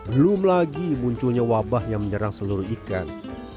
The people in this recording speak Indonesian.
belum lagi munculnya wabah yang menyerang sebuah burung